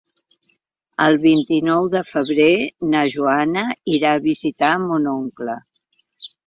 El vint-i-nou de febrer na Joana irà a visitar mon oncle.